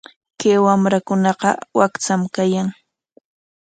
Kay wamrakunaqa wakcham kayan.